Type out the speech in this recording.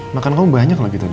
makan kamu banyak lagi tadi